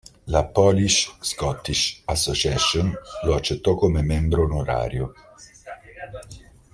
La Polish-Scottish Association lo accettò come membro onorario.